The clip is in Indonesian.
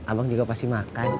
abang juga pasti makan